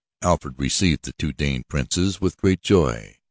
Alfred received the two Danish princes with great joy.